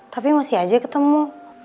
tapi masih aja ketemu